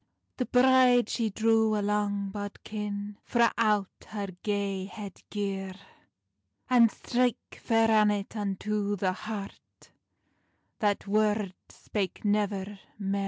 The bride she drew a long bodkin Frae out her gay head gear, And strake Fair Annet unto the heart, That word spak nevir mair.